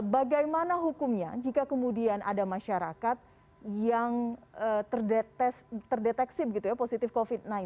bagaimana hukumnya jika kemudian ada masyarakat yang terdeteksi positif covid sembilan belas